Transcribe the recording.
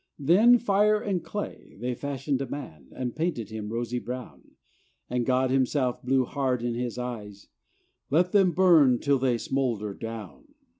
Then, fire and clay, they fashioned a man, And painted him rosy brown; And God himself blew hard in his eyes: "Let them burn till they smolder down!"